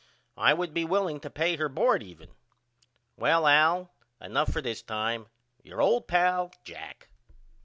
I would be willing to pay her bord even. Well Al enough for this time. Your old pal, JACK.